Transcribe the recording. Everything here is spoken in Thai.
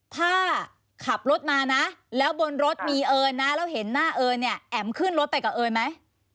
ถ้าขับรถมานะแล้วบนรถมีเอิญนะแล้วเห็นหน้าเอิญเนี่ยแอ๋มขึ้นรถไปกับเอิญไหม